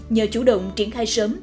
nhờ chủ động triển khai sớm